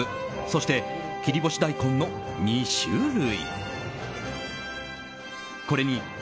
そして切り干し大根の２種類。